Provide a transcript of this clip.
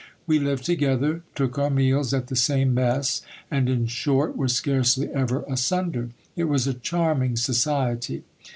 We lived together ; took our meals at the same mess, and, in short, were scarcely ever asunder. It was a charming society